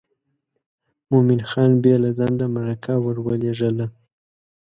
مومن خان بې له ځنډه مرکه ور ولېږله.